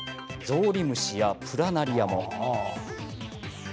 ゾウリムシやプラナリアも。